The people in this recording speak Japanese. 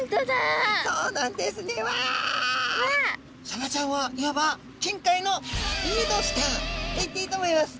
サバちゃんはいわばと言っていいと思います。